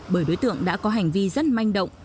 bởi đối tượng đã có hành vi rất manh động